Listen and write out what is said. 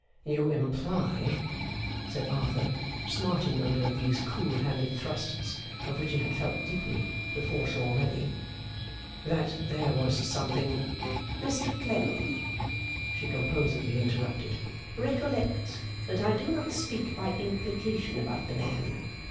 'You imply,' said Arthur, smarting under these cool handed thrusts, of which he had deeply felt the force already, 'that there was something ' 'Mr Clennam,' she composedly interrupted, 'recollect that I do not speak by implication about the man.